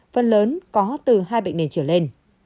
phần lớn có từ hai bệnh nền trở lên